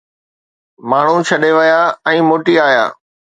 ماڻهو ڇڏي ويا ۽ موٽي آيا